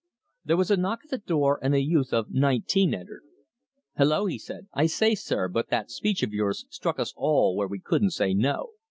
There was a knock at the door, and a youth of about nineteen entered. "Hello!" he said. "I say, sir, but that speech of yours struck us all where we couldn't say no.